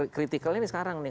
kritikalnya ini sekarang nih